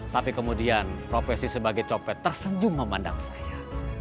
tapi kemudian profesi sebagai copet tersenyum memandang saya